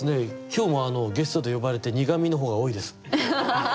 今日もゲストで呼ばれて苦みの方が多いです。